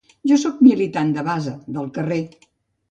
Jo sóc militant de base, del carrer.